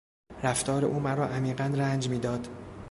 رفتار او مرا عمیقا رنج میداد.